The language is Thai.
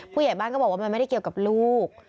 ผู้ใหญ่บ้านก็บอกว่ามันไม่ได้เกี่ยวกับลูก